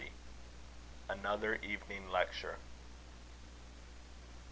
ANOTHER EVENING LECTURE.